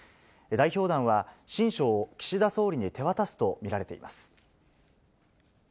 代表団は、親書を岸田総理に手渡すと見られています。